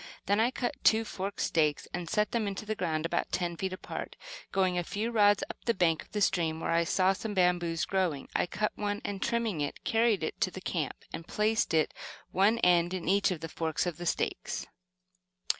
Then I cut two forked stakes and set them into the ground about ten feet apart. Going a few rods up the bank of the stream where I saw some bamboos growing, I cut one, and trimming it, carried it to the camp, and placed it, one end in each of the forks of the stakes.